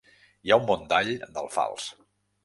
Hi ha un bon dall d'alfals.